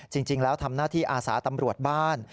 จริงแล้วทำหน้าที่อาสาตำรวจบ้าน